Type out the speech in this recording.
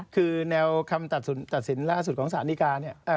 คือแนวคำตัดสินล่าสุดของศาลนิกา